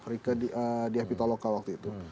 rike di epitaloka waktu itu